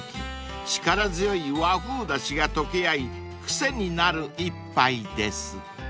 力強い和風だしが溶け合い癖になる一杯です］